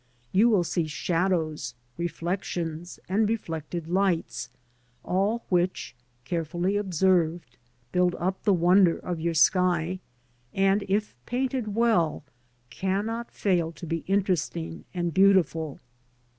You will see shadows, reflections, and reflected lights, all which, carefully observed, build up the wonder of your sky and, if painted well, cannot fail to be interesting and beautiful.